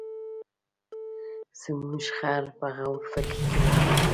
زموږ خر په غور فکر کوي.